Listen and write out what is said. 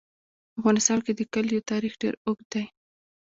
په افغانستان کې د کلیو تاریخ ډېر اوږد دی.